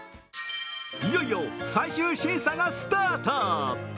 いよいよ最終審査がスタート。